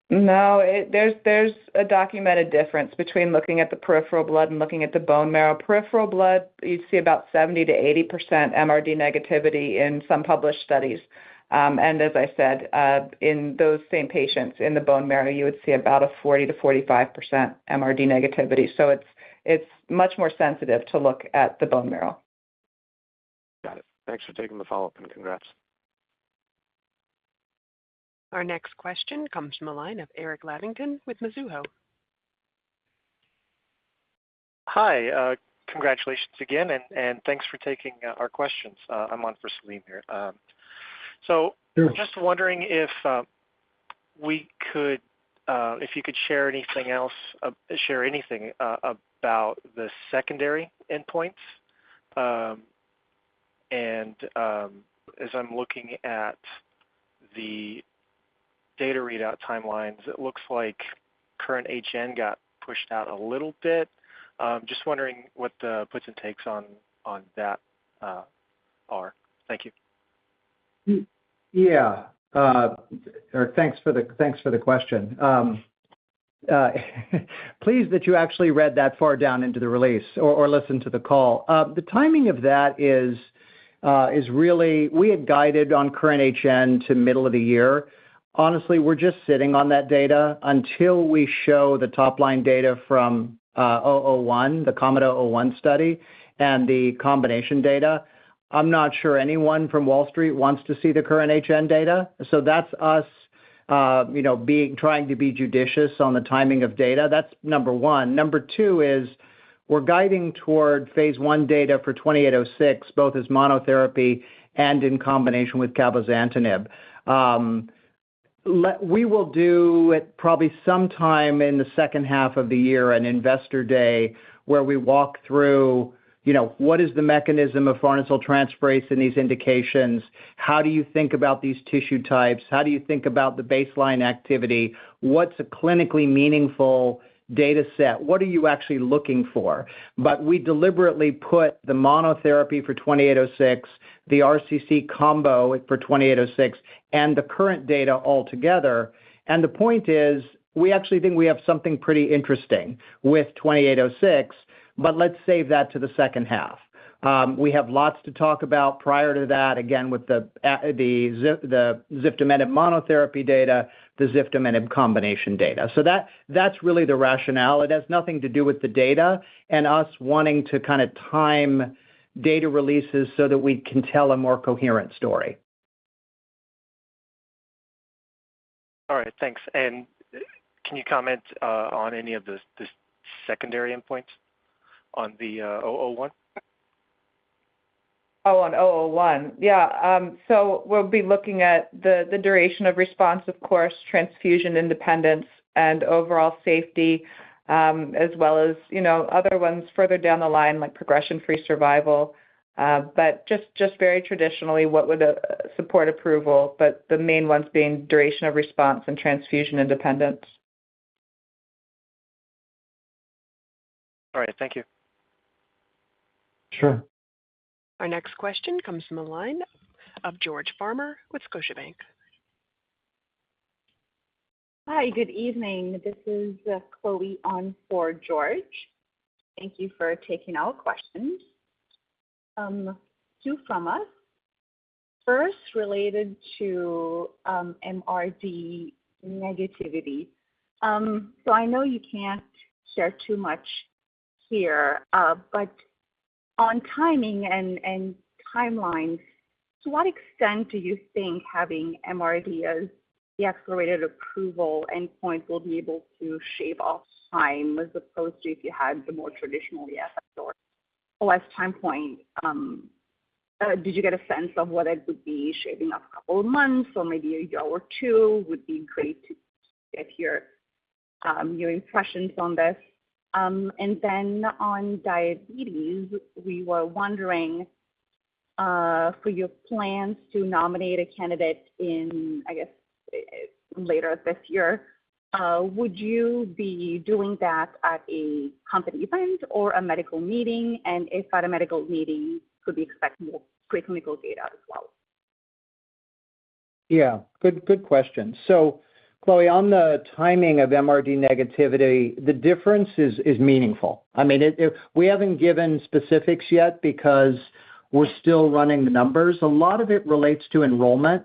No. There's a documented difference between looking at the peripheral blood and looking at the bone marrow. Peripheral blood, you'd see about 70%-80% MRD negativity in some published studies. And as I said, in those same patients in the bone marrow, you would see about a 40%-45% MRD negativity. So it's much more sensitive to look at the bone marrow. Got it. Thanks for taking the follow-up and congrats. Our next question comes from the line of Eric [Leavens] with Mizuho. Hi. Congratulations again, and thanks for taking our questions. I'm on for Salim here. So just wondering if we could, if you could share anything else, share anything about the secondary endpoints. And as I'm looking at the data readout timelines, it looks like KURRENT-HN got pushed out a little bit. Just wondering what the puts and takes on that are. Thank you. Yeah. Thanks for the question. Pleased that you actually read that far down into the release or listened to the call. The timing of that is really we had guided on KURRENT-HN to middle of the year. Honestly, we're just sitting on that data until we show the top-line data from 001, the KOMET-001 study and the combination data. I'm not sure anyone from Wall Street wants to see the KURRENT-HN data. So that's us trying to be judicious on the timing of data. That's number one. Number two is we're guiding toward phase 1 data for KO-2806, both as monotherapy and in combination with cabozantinib. We will do it probably sometime in the second half of the year, an investor day where we walk through what is the mechanism of farnesyltransferase in these indications? How do you think about these tissue types? How do you think about the baseline activity? What's a clinically meaningful data set? What are you actually looking for? But we deliberately put the monotherapy for 2806, the RCC combo for 2806, and the current data altogether. And the point is we actually think we have something pretty interesting with 2806, but let's save that to the second half. We have lots to talk about prior to that, again, with the ziftomenib monotherapy data, the ziftomenib combination data. So that's really the rationale. It has nothing to do with the data and us wanting to kind of time data releases so that we can tell a more coherent story. All right. Thanks, and can you comment on any of the secondary endpoints on the 001? Oh, on 001. Yeah. So we'll be looking at the duration of response, of course, transfusion independence and overall safety, as well as other ones further down the line like progression-free survival. But just very traditionally, what would support approval, but the main ones being duration of response and transfusion independence. All right. Thank you. Sure. Our next question comes from the line of George Farmer with Scotiabank. Hi. Good evening. This is Chloe on for George. Thank you for taking our questions. Two from us. First, related to MRD negativity. So I know you can't share too much here, but on timing and timelines, to what extent do you think having MRD as the accelerated approval endpoint will be able to shave off time as opposed to if you had the more traditional EFS or OS time point? Did you get a sense of whether it would be shaving off a couple of months or maybe a year or two? Would be great to get your impressions on this. And then on diabetes, we were wondering for your plans to nominate a candidate in, I guess, later this year. Would you be doing that at a company event or a medical meeting? And if at a medical meeting, could we expect more preclinical data as well? Yeah. Good question. So Chloe, on the timing of MRD negativity, the difference is meaningful. I mean, we haven't given specifics yet because we're still running the numbers. A lot of it relates to enrollment.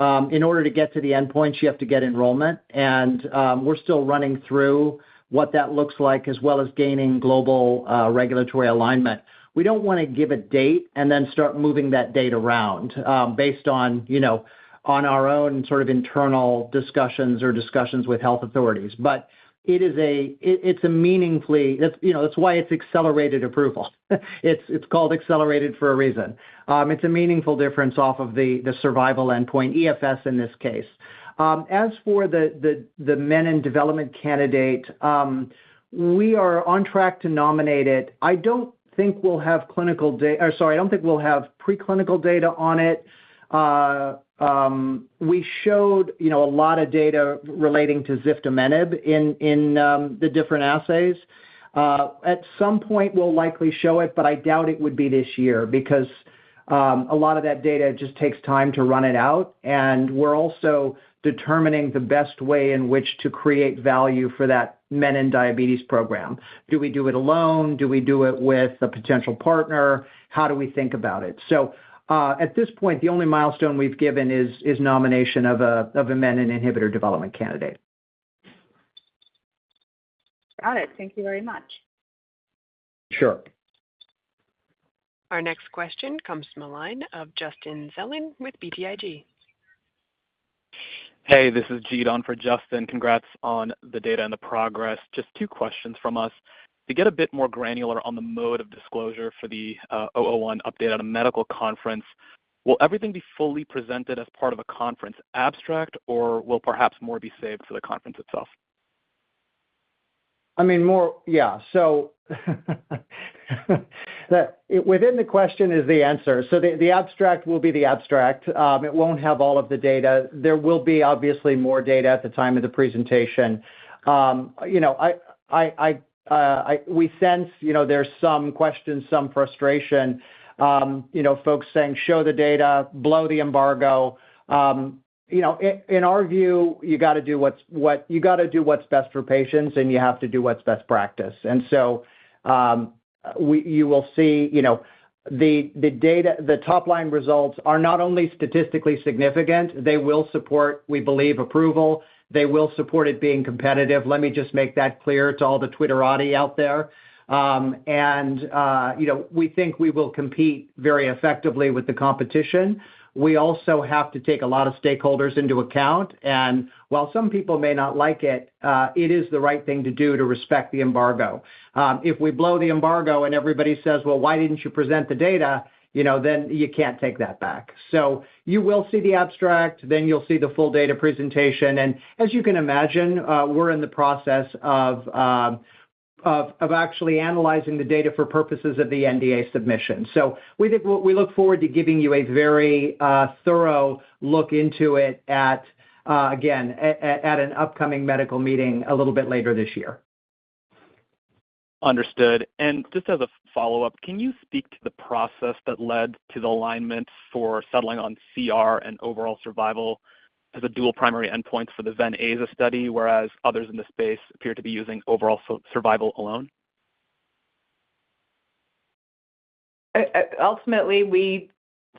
In order to get to the endpoints, you have to get enrollment. And we're still running through what that looks like as well as gaining global regulatory alignment. We don't want to give a date and then start moving that date around based on our own sort of internal discussions or discussions with health authorities. But it's a meaningfully. That's why it's accelerated approval. It's called accelerated for a reason. It's a meaningful difference off of the survival endpoint, EFS in this case. As for the menin development candidate, we are on track to nominate it. I don't think we'll have clinical data, sorry, I don't think we'll have preclinical data on it. We showed a lot of data relating to ziftomenib in the different assays. At some point, we'll likely show it, but I doubt it would be this year because a lot of that data just takes time to run it out, and we're also determining the best way in which to create value for that menin inhibitor program. Do we do it alone? Do we do it with a potential partner? How do we think about it so at this point, the only milestone we've given is nomination of a menin inhibitor development candidate. Got it. Thank you very much. Sure. Our next question comes from the line of Justin Zelin with BTIG. Hey, this is Gideon for Justin. Congrats on the data and the progress. Just two questions from us. To get a bit more granular on the mode of disclosure for the 001 update at a medical conference, will everything be fully presented as part of a conference abstract, or will perhaps more be saved for the conference itself? I mean, more, yeah, so within the question is the answer, so the abstract will be the abstract. It won't have all of the data. There will be obviously more data at the time of the presentation. We sense there's some questions, some frustration, folks saying, "Show the data, blow the embargo." In our view, you got to do what's best for patients, and you have to do what's best practice, and so you will see the top-line results are not only statistically significant, they will support, we believe, approval. They will support it being competitive. Let me just make that clear to all the Twitterati out there, and we think we will compete very effectively with the competition. We also have to take a lot of stakeholders into account. While some people may not like it, it is the right thing to do to respect the embargo. If we blow the embargo and everybody says, "Well, why didn't you present the data?" then you can't take that back. So you will see the abstract, then you'll see the full data presentation. And as you can imagine, we're in the process of actually analyzing the data for purposes of the NDA submission. So we look forward to giving you a very thorough look into it, again, at an upcoming medical meeting a little bit later this year. Understood. And just as a follow-up, can you speak to the process that led to the alignment for settling on CR and overall survival as a dual primary endpoint for the Ven/Aza study, whereas others in the space appear to be using overall survival alone? Ultimately, we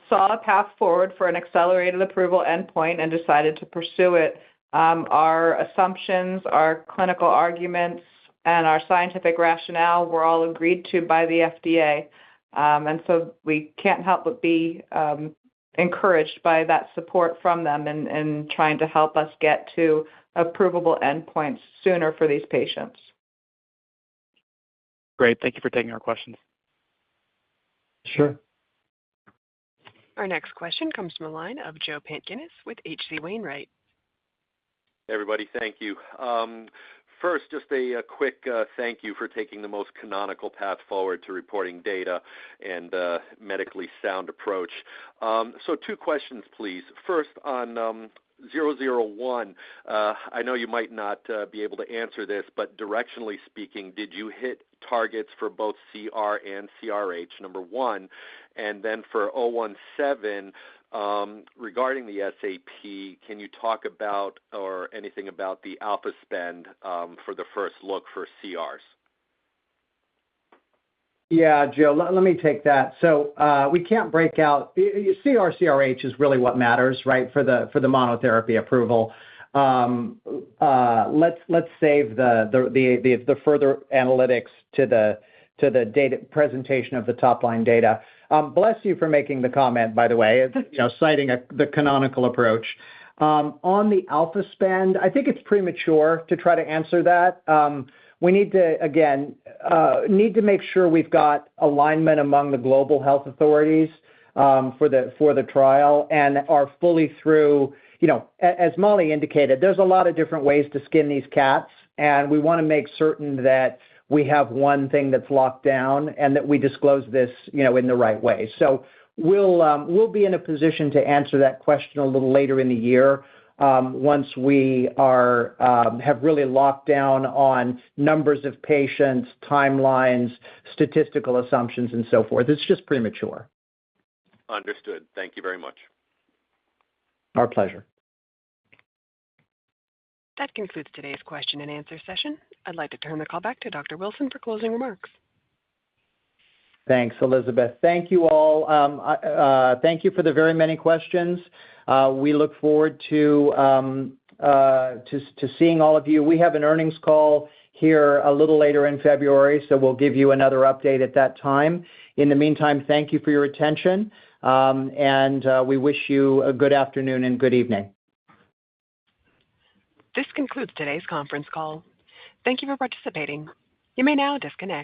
saw a path forward for an accelerated approval endpoint and decided to pursue it. Our assumptions, our clinical arguments, and our scientific rationale were all agreed to by the FDA, and so we can't help but be encouraged by that support from them in trying to help us get to approvable endpoints sooner for these patients. Great. Thank you for taking our questions. Sure. Our next question comes from the line of Joe Pantginis with H.C. Wainwright. Hey, everybody. Thank you. First, just a quick thank you for taking the most canonical path forward to reporting data and a medically sound approach. So two questions, please. First, on 001, I know you might not be able to answer this, but directionally speaking, did you hit targets for both CR and CRh, number one? And then for 017, regarding the SAP, can you talk about or anything about the alpha spend for the first look for CRs? Yeah, Joe, let me take that. So we can't break out CR/CRh is really what matters, right, for the monotherapy approval. Let's save the further analytics to the presentation of the top-line data. Bless you for making the comment, by the way, citing the canonical approach. On the alpha spend, I think it's premature to try to answer that. We need to, again, need to make sure we've got alignment among the global health authorities for the trial and are fully through. As Mollie indicated, there's a lot of different ways to skin these cats, and we want to make certain that we have one thing that's locked down and that we disclose this in the right way. So we'll be in a position to answer that question a little later in the year once we have really locked down on numbers of patients, timelines, statistical assumptions, and so forth. It's just premature. Understood. Thank you very much. Our pleasure. That concludes today's question and answer session. I'd like to turn the call back to Dr. Wilson for closing remarks. Thanks, Elizabeth. Thank you all. Thank you for the very many questions. We look forward to seeing all of you. We have an earnings call here a little later in February, so we'll give you another update at that time. In the meantime, thank you for your attention, and we wish you a good afternoon and good evening. This concludes today's conference call. Thank you for participating. You may now disconnect.